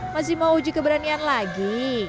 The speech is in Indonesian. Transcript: masih mau uji keberanian lagi